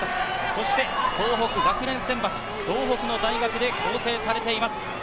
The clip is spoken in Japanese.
そして東北学連選抜、東北の大学で構成されています。